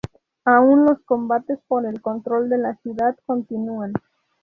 Aún los combates por el control de la ciudad continúan.